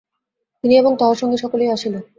তিনি এবং তাহার সঙ্গে সকলেই আসিল।